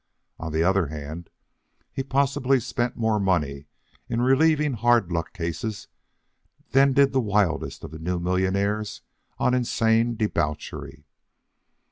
On the other hand, he possibly spent more money in relieving hard luck cases than did the wildest of the new millionaires on insane debauchery.